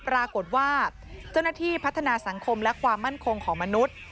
ปรากฏว่าเจ้าหน้าที่พัฒนาสังคมและความมั่นคงของมนุษย์